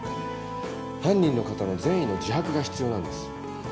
犯人の方の善意の自白が必要なんです。